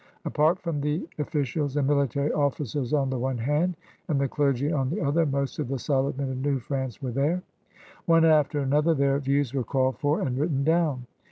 Apart from the officials and military officers on the one hand and the clergy on the otha*, most of the solid men of New Prance were there. One after another their views were called for and writ ten down.